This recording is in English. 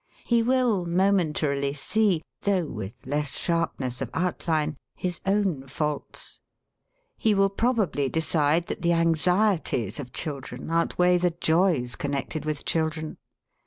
He will momentarily see, though with less sharpness of outline, his own faults. He will probably decide that the anxieties of children outweigh the joys connected with children.